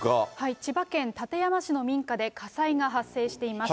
千葉県館山市の民家で火災が発生しています。